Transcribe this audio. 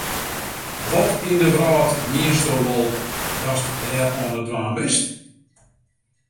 Wat yn de wrâld miensto wol datst dêr oan it dwaan bist?